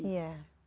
karena belum terjadi